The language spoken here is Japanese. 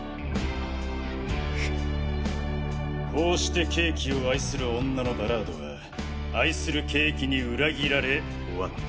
こうしてケーキを愛する女のバラードは愛するケーキに裏切られ終わった。